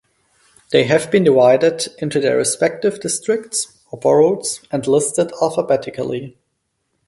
They have been divided into their respective districts or boroughs and listed alphabetically.